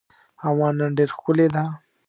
هوا نن ډېره ښکلې ده.